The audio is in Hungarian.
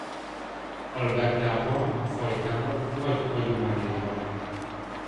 Albertában a fajtának nagy hagyományai vannak.